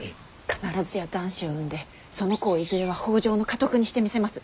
必ずや男子を産んでその子をいずれは北条の家督にしてみせます。